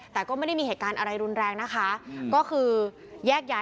แต่ก็ไม่ได้มีเหตุการณ์อะไรรุนแรงนะคะ